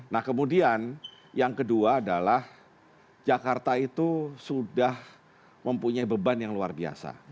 nah kemudian yang kedua adalah jakarta itu sudah mempunyai beban yang luar biasa